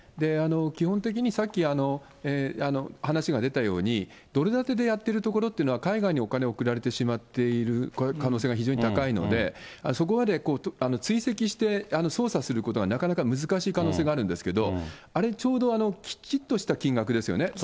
基本的にさっき話が出たように、ドル建てでやってるところというのは海外にお金を送られてしまっている可能性が非常に高いので、そこまで追跡して、捜査することがなかなか難しい可能性があるんですけど、あれ、ちょうど、きちっとした金額ですよね。